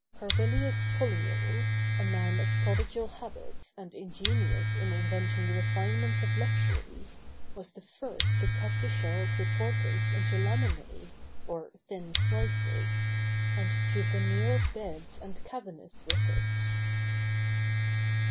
Carvilius Pollio, a man of prodigal habits and ingenious in inventing the refinements of luxury, was the first to cut the shell of the tortoise into laminæ, or thin slices, and to veneer beds and cabinets with it.